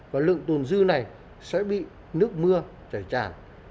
và lượng tồn dư này sẽ bị nước mưa chảy tràn